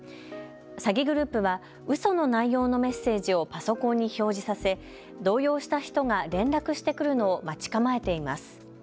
詐欺グループは、うその内容のメッセージをパソコンに表示させ動揺した人が連絡してくるのを待ち構えています。